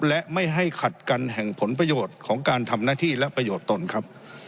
และไม่ให้ขัดกันแห่งผลประโยชน์ของการทำหน้าที่และประโยชน์ตนครับ